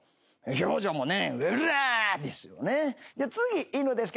表情もね。